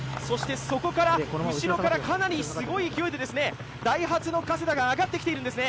そこから後ろからかなりすごい勢いでダイハツの加世田が上がってきているんですね。